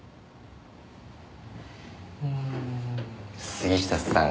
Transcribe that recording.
杉下さん。